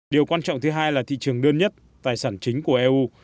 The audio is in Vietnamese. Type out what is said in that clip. điều quan trọng thứ hai là thị trường đơn nhất tài sản chính của eu